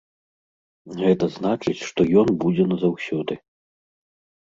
Гэта значыць, што ён будзе назаўсёды.